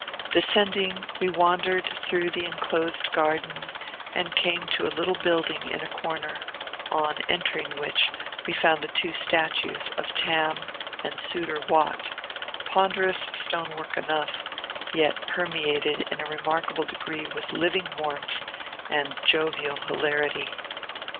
Descending, we wandered through the enclosed garden, and came to a little building in a corner, on entering which, we found the two statues of Tam and Sutor Wat, ponderous stone work enough, yet permeated in a remarkable degree with living warmth and jovial hilarity.